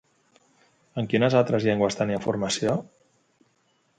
En quines altres llengües tenia formació?